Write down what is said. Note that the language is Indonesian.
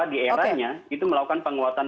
di eranya itu melakukan penguatan